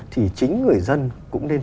thì chính người dân cũng nên